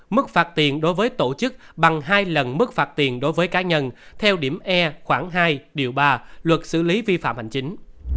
mức phạt tiền đối với tổ chức bằng hai lần mức phạt tiền đối với cá nhân theo điểm e khoảng hai điều ba luật xử lý vi phạm hành chính